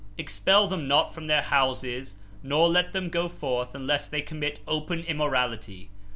Expel them not from their houses nor let them go forth unless they commit open immorality.